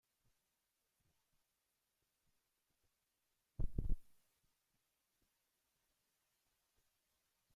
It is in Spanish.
Estaba ensangrentado y su mano estaba gravemente herida.